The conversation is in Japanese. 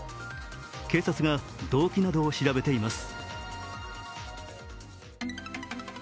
警察が動機などを調べています。